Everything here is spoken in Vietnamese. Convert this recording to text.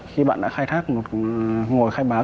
khi bạn đã khai thác một ngôi khai phòng